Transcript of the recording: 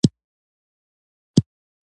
د فراه رود سیند له بامیان راځي